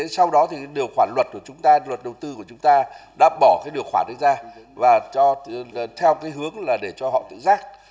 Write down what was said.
sau đó điều khoản luật đầu tư của chúng ta đã bỏ điều khoản ra theo hướng để cho họ tự giác